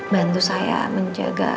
bantu saya menjaga